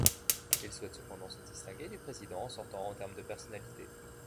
Il souhaite cependant se distinguer du président sortant en termes de personnalité.